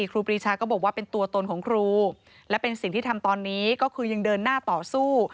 ครูปรีชาก็บอกว่าเป็นตัวตนของครูและเป็นสิ่งที่ทำตอนนี้ก็คือยังเดินหน้าต่อสู้